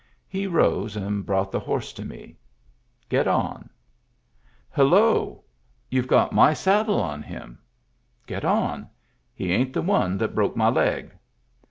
He rose and brought the horse to me, " Get on. " HuUoa 1 YouVe got my saddle on him." " Get on. He ain't the one that bruck my leg."